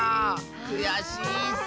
くやしいッス。